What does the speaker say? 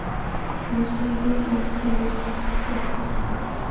Most users used DesktopX to build alternative desktop environments.